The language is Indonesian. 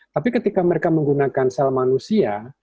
tapi ketika mereka menggunakan sel manusia